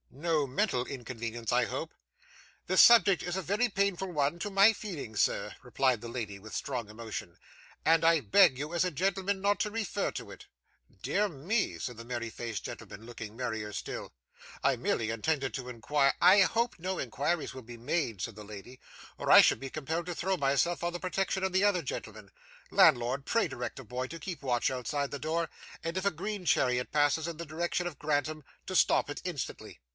'No mental inconvenience, I hope?' 'The subject is a very painful one to my feelings, sir,' replied the lady with strong emotion; 'and I beg you as a gentleman, not to refer to it.' 'Dear me,' said the merry faced gentleman, looking merrier still, 'I merely intended to inquire ' 'I hope no inquiries will be made,' said the lady, 'or I shall be compelled to throw myself on the protection of the other gentlemen. Landlord, pray direct a boy to keep watch outside the door and if a green chariot passes in the direction of Grantham, to stop it instantly.